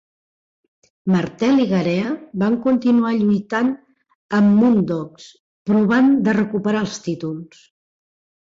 Martel i Garea van continuar lluitant amb Moondogs, provant de recuperar els títols.